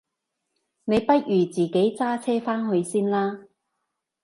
你不如自己揸車返去先啦？